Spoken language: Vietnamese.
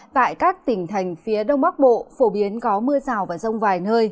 tại các tỉnh thành phía đông bắc bộ phổ biến có mưa rào và rông vài nơi